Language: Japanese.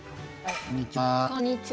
こんにちは。